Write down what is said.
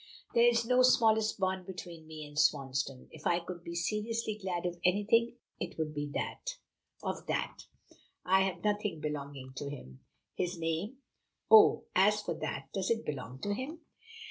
There is no smallest bond between me and Swansdown. If I could be seriously glad of anything it would be of that. I have nothing belonging to him." "His name." "Oh, as for that does it belong to him?